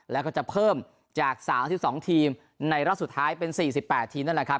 แล้วก็จะเพิ่มจาก๓๒ทีมในรอบสุดท้ายเป็น๔๘ทีมนั่นแหละครับ